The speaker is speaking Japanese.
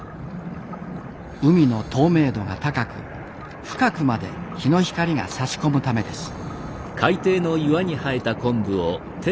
海の透明度が高く深くまで日の光がさし込むためです。